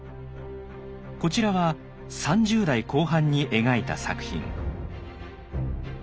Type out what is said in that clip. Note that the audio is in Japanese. こちらは３０代後半に描いた作品。